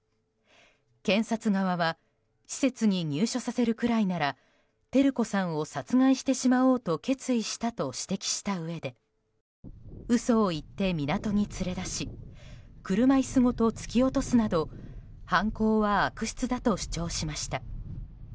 検察側は施設に入所させるくらいなら照子さんを殺害してしまおうと決意したと指摘したうえで嘘を言って港に連れ出し車椅子ごと突き落とすなど犯行は悪質だと主張しました。